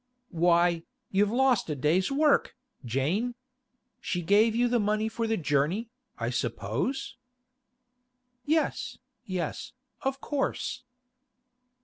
'Why, you've lost a day's work, Jane! She gave you the money for the journey, I suppose?' 'Yes, yes, of course.